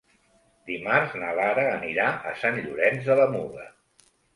Dimarts na Lara anirà a Sant Llorenç de la Muga.